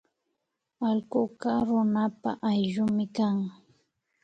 Allkuka runapa ayllumi kan